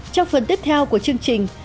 trong phần tiếp theo của chương trình